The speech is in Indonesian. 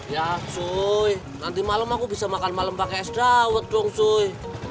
ya cuy nanti malem aku bisa makan malem pake es dawet dong cuy